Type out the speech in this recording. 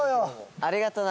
ありがとな。